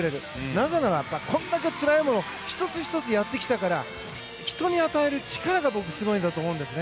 なぜなら、こんだけつらいものを１つ１つやってきたから人に与える力が僕、すごいんだと思うんですね。